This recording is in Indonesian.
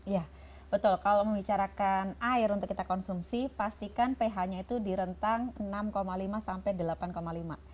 ya betul kalau membicarakan air untuk kita konsumsi pastikan ph nya itu di rentang enam lima sampai delapan lima